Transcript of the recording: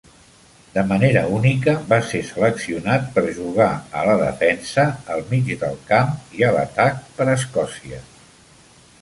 De manera única, va ser seleccionat per jugar a la defensa, el mig del camp i a l'atac per a Escòcia.